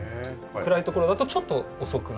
暗い所だとちょっと遅くなる。